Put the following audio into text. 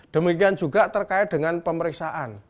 demikian juga terkait dengan pemeriksaan